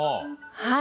はい。